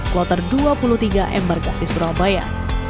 kloter dua puluh tiga embarkasi surabaya